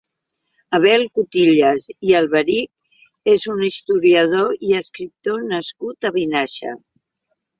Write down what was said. Abel Cutillas i Alberich és un historiador i escriptor nascut a Vinaixa.